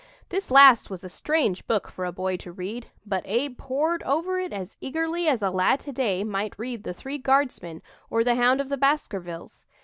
This last was a strange book for a boy to read, but Abe pored over it as eagerly as a lad to day might read "The Three Guardsmen," or "The Hound of the Baskervilles."